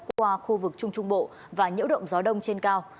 qua khu vực trung trung bộ và nhiễu động gió đông trên cao